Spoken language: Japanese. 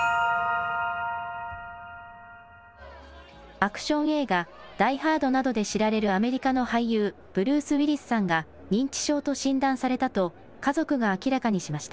アクション映画、ダイ・ハードなどで知られるアメリカの俳優、ブルース・ウィリスさんが認知症と診断されたと家族が明らかにしました。